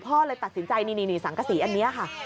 เลยตัดสินใจนี่สังกษีอันนี้ค่ะ